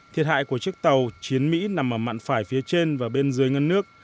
thiệt hại của chiếc tàu chiến mỹ nằm ở mặn phải phía trên và bên dưới ngân nước